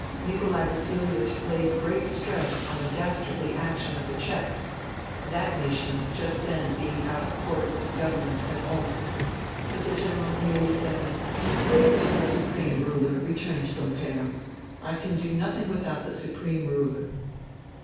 Nikolai Vasilievich laid great stress on the dastardly action of the Czechs — that nation just then being out of court with the government at Omsk — but the General merely said, *' Wait till the Supreme Ruler returns from Perm. I can do nothing without the Supreme Ruler.